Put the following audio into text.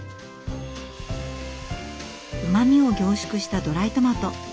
うまみを凝縮したドライトマト。